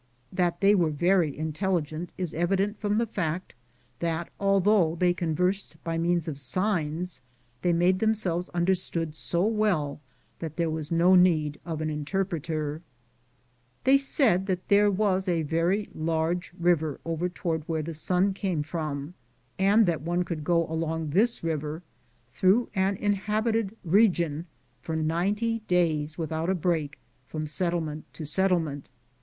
That they were very intelli gent is evident from the fact that although they conversed by means of signs they made themselves understood so well that there was no need of an interpreter. 1 They said that there was a very large river over toward where the sun came from, and that one could go along this river through an inhab ited region for ninety days without a break from settlement to settlement.